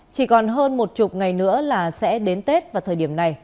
chỉ còn hơn một chục ngày nữa là sẽ đến tết vào thời điểm này